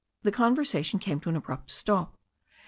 The conversation came to an abrupt stop.